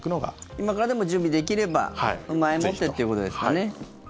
今からでも準備できれば前もってっていうことですかね。